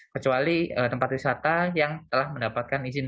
kecuali tempat wisata yang telah mendapatkan izin